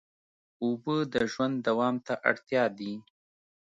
اوبه د ژوند دوام ته اړتیا دي.